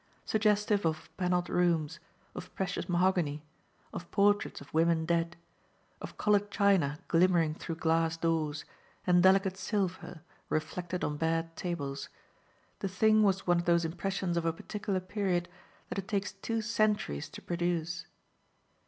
Suggestive of panelled rooms, of precious mahogany, of portraits of women dead, of coloured china glimmering through glass doors and delicate silver reflected on bared tables, the thing was one of those impressions of a particular period that it takes two centuries to produce.